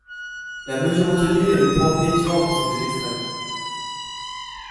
La mesure retenue est le point médian entre ces deux extrêmes.